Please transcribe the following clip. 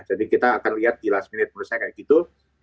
kita akan lihat di last minute menurut saya kayak gitu